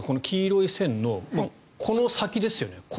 黄色い線のこの先ですよね。